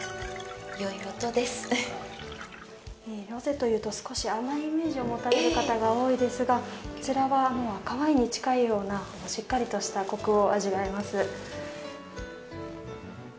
ロゼというと少し甘いイメージを持たれる方が多いですがこちらは赤ワインに近いようなしっかりとしたコクを味わえます。